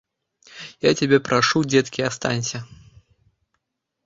Я цябе прашу, дзеткі, астанься!